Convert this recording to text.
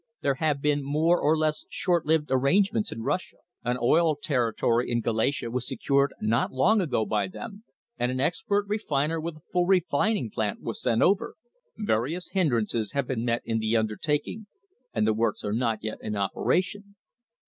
There have been more or less short lived arrangements in Russia. An oil territory in Galicia was secured not long ago by them, and an expert refiner with a full refining plant was sent over. Various hindrances have been met in the undertaking, and the works are not yet in operation.